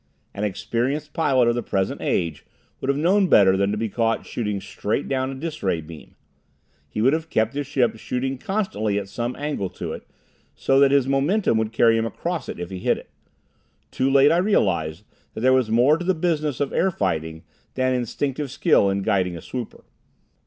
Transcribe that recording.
An experienced pilot of the present age would have known better than to be caught shooting straight down a dis ray beam. He would have kept his ship shooting constantly at some angle to it, so that his momentum would carry him across it if he hit it. Too late I realized that there was more to the business of air fighting, than instinctive skill in guiding a swooper.